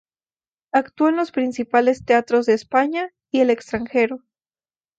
Actuó en los principales teatros de España y el extranjero.